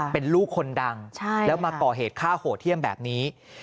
เป็นลูกคนดังแล้วมาก่อเหตุฆ่าโหดเที่ยมแบบนี้